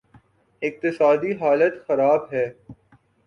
اقتصادی حالت خراب ہے۔